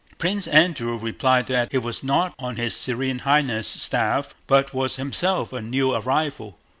Prince Andrew replied that he was not on his Serene Highness' staff but was himself a new arrival.